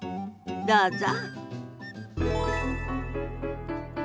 どうぞ。